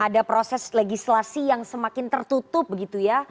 ada proses legislasi yang semakin tertutup begitu ya